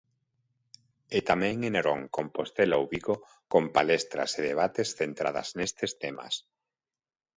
E, tamén en Narón, Compostela ou Vigo, con palestras e debates centradas nestes temas.